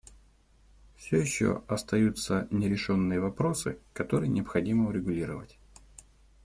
Все еще остаются нерешенные вопросы, которые необходимо урегулировать.